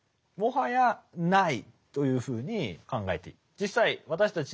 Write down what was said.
はい。